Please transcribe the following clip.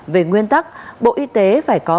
về nguyên tắc bộ y tế phải có